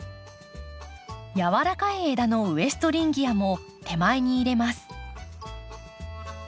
やわらかい枝のウエストリンギアも手前に入れます。